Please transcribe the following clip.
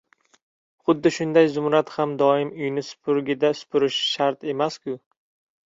Xuddi shunday, Zumrad ham doim uyni supurgida supurishi shart emas-ku.